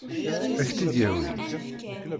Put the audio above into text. Ad k-tt-id-yawi?